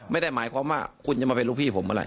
ไม่ได้หมายความว่าคุณจะมาเป็นลูกพี่ผมเมื่อไห